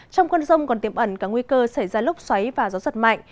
trong con rông còn tiệm ẩn các nguy cơ xảy ra lốc xoáy và gió giật mạnh